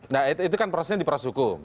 nah itu kan prosesnya di proses hukum